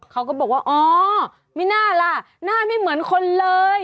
เขาก็บอกว่าอ๋อไม่น่าล่ะหน้าไม่เหมือนคนเลย